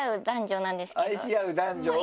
愛し合う男女を。